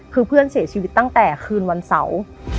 คือเพื่อนเสียชีวิตตั้งแต่คืนวันเสาร์